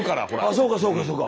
そうかそうかそうか。